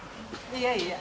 いやいや。